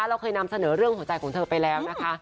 เราเคยนำเสนอเรื่องหัวใจของเธอไปแล้วนะคะ